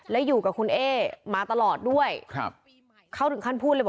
และอยู่กับคุณเอ้มาตลอดด้วยครับ